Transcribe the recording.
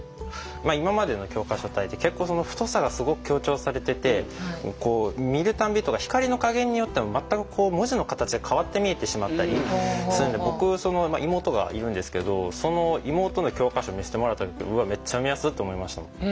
今までの教科書体って結構太さがすごく強調されててこう見るたびとか光の加減によっても全く文字の形が変わって見えてしまったりするんで僕妹がいるんですけどその妹の教科書見せてもらった時「うわっめっちゃ見やす！」って思いました。